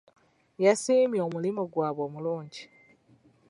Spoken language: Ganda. Yasiimye omulimu gwabwe omulungi.